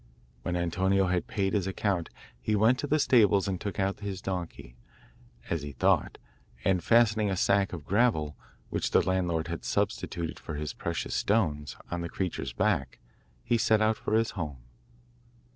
When Antonio had paid his account he went to the stables and took out his donkey, as he thought, and fastening a sack of gravel, which the landlord had substituted for his precious stones, on the creature's back, he set out for his home.